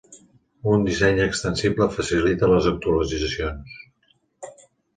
Un disseny extensible facilita les actualitzacions.